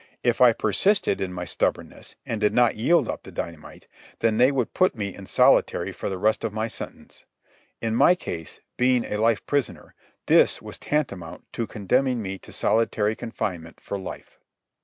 If I persisted in my stubbornness and did not yield up the dynamite, then they would put me in solitary for the rest of my sentence. In my case, being a life prisoner, this was tantamount to condemning me to solitary confinement for life.